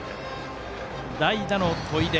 代打の砥出。